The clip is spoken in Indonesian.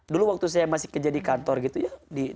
dulu waktu saya masih kerja di kantor gitu ya